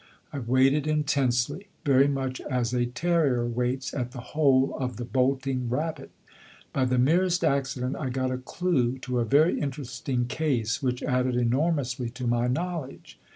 I waited intensely, very much as a terrier waits at the hole of the bolting rabbit. By the merest accident I got a clew to a very interesting case which added enormously to my knowledge.